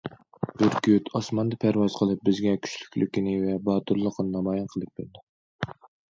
بۈركۈت ئاسماندا پەرۋاز قىلىپ بىزگە كۈچلۈكلۈكىنى ۋە باتۇرلۇقىنى نامايان قىلىپ بېرىدۇ.